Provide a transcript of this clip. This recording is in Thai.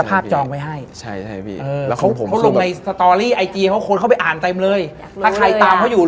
มันจะซ่อมอะไรดึกดื่นว่ะ